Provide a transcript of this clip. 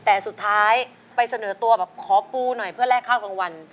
แต่สุดท้ายไปเสนอตัวบอกขอปูหน่อยเพื่อแลกข้าวกลางวัน